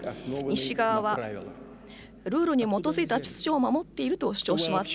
西側は、ルールに基づいた秩序を守っていると主張します。